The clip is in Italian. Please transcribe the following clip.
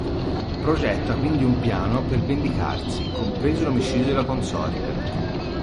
Progetta quindi un piano per vendicarsi, compreso l'omicidio della consorte.